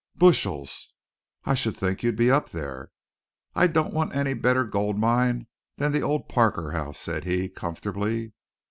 "Bushels." "I should think you'd be up there." "I don't want any better gold mine than the old Parker House," said he comfortably.